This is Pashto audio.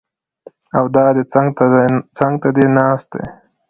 او دا دی څنګ ته دې ناست دی!